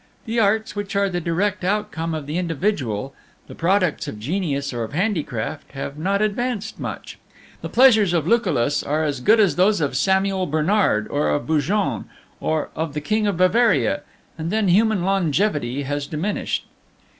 The arts, which are the direct outcome of the individual, the products of genius or of handicraft, have not advanced much. The pleasures of Lucullus were as good as those of Samuel Bernard, of Beaujon, or of the King of Bavaria. And then human longevity has diminished.